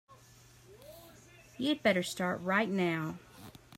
You'd better start right now.